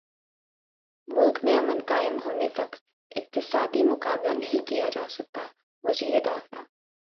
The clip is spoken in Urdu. ملک میں امن قائم ہونےتک اقتصادی مقابلہ نہیں کیاجاسکتاوزیرداخلہ